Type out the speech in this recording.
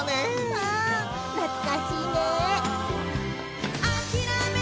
［うん懐かしいね］